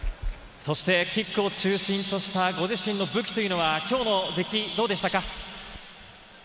キックを中心としたご自身の武器は今日の出来、どうでしたか？